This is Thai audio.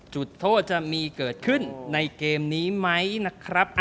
จุดโทษจะมีเกิดขึ้นในเกมนี้ไหมนะครับ